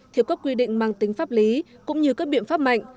thiếu các quy định mang tính pháp lý cũng như các biện pháp mạnh